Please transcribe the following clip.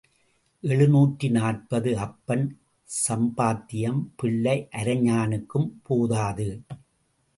எழுநூற்று நாற்பது அப்பன் சம்பாத்தியம் பிள்ளை அரைஞாணுக்கும் போதாது.